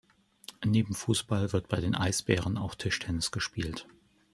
Neben Fußball wird bei den „Eisbären“ auch Tischtennis gespielt.